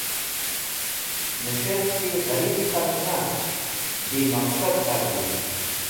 Nes̃htki gherib k̃halg nast bi maqsad k̃halgi.